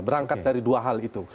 berangkat dari dua hal itu